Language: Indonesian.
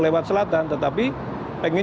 lewat selatan tetapi pengen